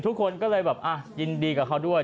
ทุกคนก็เลยแบบยินดีกับเขาด้วย